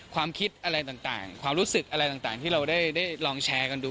ความคิดอะไรต่างความรู้สึกอะไรต่างที่เราได้ลองแชร์กันดู